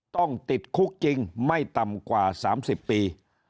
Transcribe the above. ต้องติดคุกจริงไม่ต่ำกว่า๓๐ปี